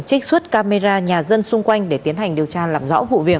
trích xuất camera nhà dân xung quanh để tiến hành điều tra làm rõ vụ việc